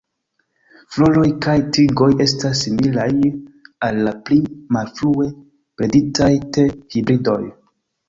Floroj kaj tigoj estas similaj al la pli malfrue breditaj te-hibridoj.